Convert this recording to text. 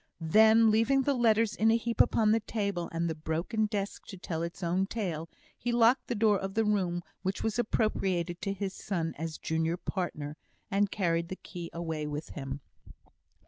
Then, leaving the letters in a heap upon the table, and the broken desk to tell its own tale, he locked the door of the room which was appropriated to his son as junior partner, and carried the key away with him.